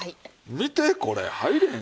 見てこれ入れへん。